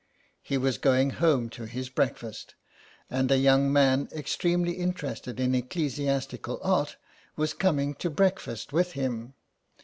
He was going home to his breakfast, and a young man extremely interested in ecclesiastical art was coming to breakfast with him.